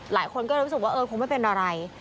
หลายคนก็รู้สึกว่าเออคงไม่เป็นอะไร